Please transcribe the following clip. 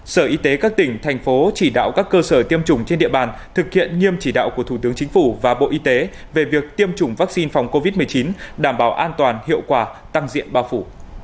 sở y tế các tỉnh thành phố chỉ đạo các cơ sở tiêm chủng trên địa bàn thực hiện nghiêm chỉ đạo của thủ tướng chính phủ và bộ y tế về việc tiêm chủng vaccine phòng covid một mươi chín đảm bảo an toàn hiệu quả tăng diện bao phủ